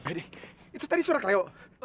pak yadi itu tadi suara keleo